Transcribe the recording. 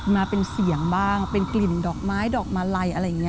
มาเป็นเสียงบ้างเป็นกลิ่นดอกไม้ดอกมาลัยอะไรอย่างนี้